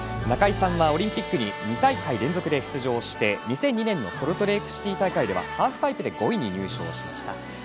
中井さんはオリンピックに２大会連続で出場して２００２年のソルトレークシティー大会ではハーフパイプで５位に入賞しました。